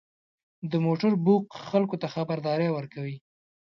• د موټر بوق خلکو ته خبرداری ورکوي.